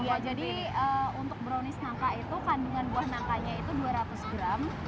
iya jadi untuk brownies nangka itu kandungan buah nangkanya itu dua ratus gram